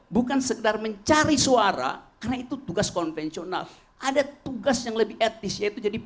bukan sekedar mencari suara karena itu tugas konvensional ada tugas yang lebih etis yaitu jadi